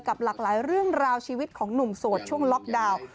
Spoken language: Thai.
หลากหลายเรื่องราวชีวิตของหนุ่มโสดช่วงล็อกดาวน์